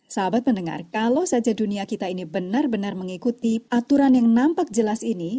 sahabat pendengar kalau saja dunia kita ini benar benar mengikuti aturan yang nampak jelas ini